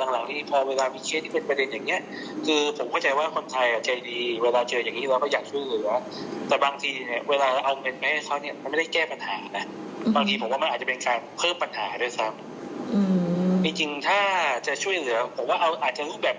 ถ้าเราช่วยกันหาบุกเบียงเดาะนมเบาะน้ำอุปกรณ์นักศึกษาบุกแผล